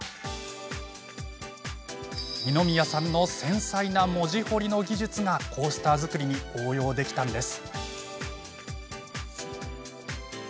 二宮さんの繊細な文字彫りの技術がコースター作りに応用できたのです。